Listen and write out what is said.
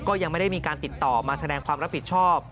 ก็ยังไม่ได้มีการติดต่อมาแสดงความรับผิดชอบ